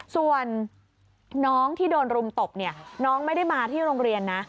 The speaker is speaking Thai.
ส่วนน้องที่โดนรุมตบเนี่ยน้องไม่ได้มาที่โรงเรียนนะ